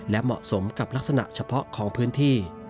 และเหมาะสมกับลักษณะเฉพาะของพื้นที่